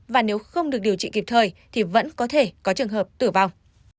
và nếu không được điều trị kịp thời thì vẫn có thể có trường hợp tử vong